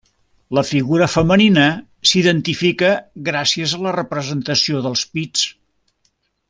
La figura femenina s'identifica gràcies a la representació dels pits.